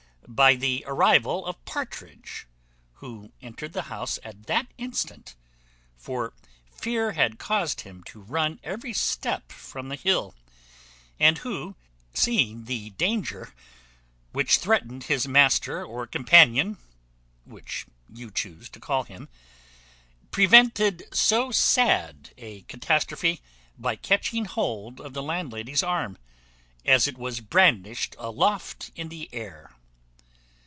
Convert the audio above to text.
by the arrival of Partridge; who entered the house at that instant (for fear had caused him to run every step from the hill), and who, seeing the danger which threatened his master or companion (which you chuse to call him), prevented so sad a catastrophe, by catching hold of the landlady's arm, as it was brandished aloft in the air.